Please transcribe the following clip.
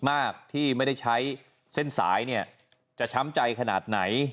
ซึ่งเราจะต้องคุยกันให้เข้าใจถึงตอนนี้